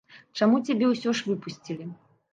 Чаму цябе ўсё ж выпусцілі?